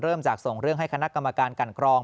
จากส่งเรื่องให้คณะกรรมการกันกรอง